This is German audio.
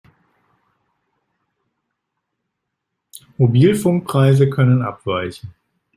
Mobilfunkpreise können abweichen.